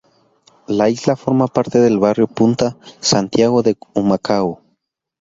La isla forma parte del barrio Punta Santiago de Humacao.